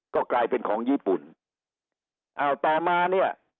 ก็กลายเป็นของญี่ปุ่นอ้าวต่อมาเนี่ย